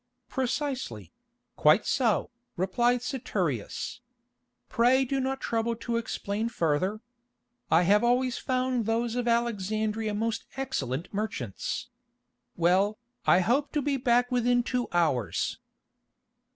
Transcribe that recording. "Precisely—quite so," replied Saturius. "Pray do not trouble to explain further. I have always found those of Alexandria most excellent merchants. Well, I hope to be back within two hours."